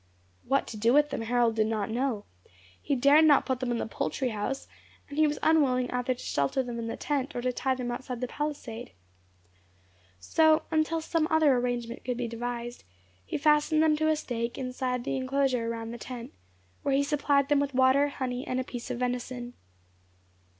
What to do with them Harold did not know. He dared not put them in the poultry house, and he was unwilling either to shelter them in the tent or to tie them outside the palisade. So, until some other arrangement could be devised, he fastened them to a stake inside the enclosure round the tent, where he supplied them with water, honey, and a piece of venison.